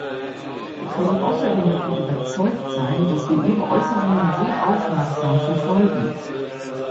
Sie können außerdem davon überzeugt sein, dass wir Ihre Äußerungen sehr aufmerksam verfolgen.